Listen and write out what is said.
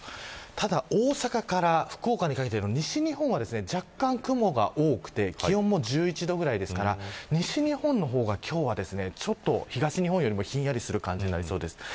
ただ、大阪から福岡にかけての西日本は若干雲が多くて気温も１１度くらいですから西日本の方が今日は東日本よりも、ひんやりする感じになりそうです。